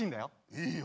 いいよ！